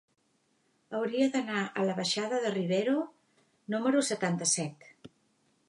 Hauria d'anar a la baixada de Rivero número setanta-set.